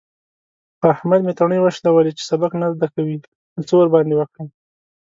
په احمد مې تڼۍ وشلولې. چې سبق نه زده کوي؛ نو څه ورباندې وکړم؟!